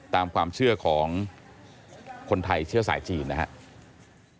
ตามความเชื่อของคนไทยเชื้อสายจีนนะครับ